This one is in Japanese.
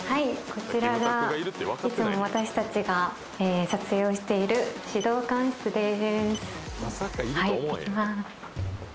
こちらがいつも私たちが撮影をしている指導官室でーす」